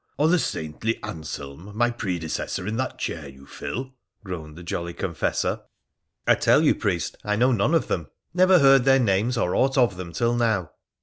or the saintly Anselm, my predecessor in that chair you fill ?' groaned the jolly confessor. ' I tell you, priest, I know none of them — never heard their names or aught of them till now.'